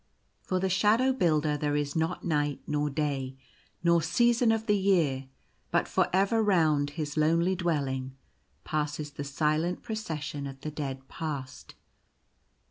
For the Shadow Builder there is not night nor day, nor season of the year; but for ever round his lonely dwelling passes the silent Procession of the Dead Past.